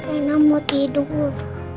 rina mau tidur